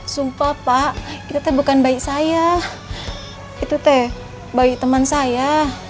sumpah pak kita tuh bukan bayi saya itu teh bayi teman saya